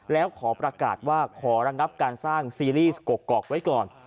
แล้วขอประกาศว่าขอระงับการสร้างซีรีส์กกอกไว้ก่อน